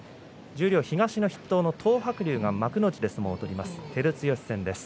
十両東の筆頭の東白龍が幕内で相撲を取ります。